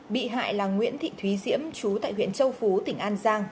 bị hại là nguyễn thị thúy diễm chú tại huyện châu phú tỉnh an giang